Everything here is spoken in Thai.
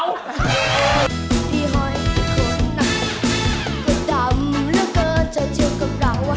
คนหนักก็ดำแล้วก็จะเจอกับเรา